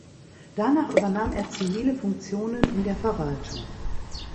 Danach übernahm er zivile Funktionen in der Verwaltung.